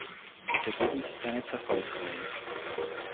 Das Ergebnis ist eine Zerfallsreihe.